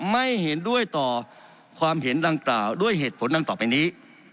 ไม่เห็นด้วยต่อความเห็นดังกล่าวด้วยเหตุผลดังต่อไปนี้